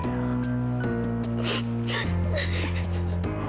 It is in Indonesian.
mau aku paksa